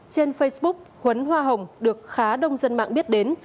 trên facebook hoa hồng được khá đông dân mạng biết đến